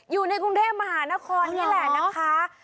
อยู่ในกรุงเทพมหานครนี่แหละนะคะ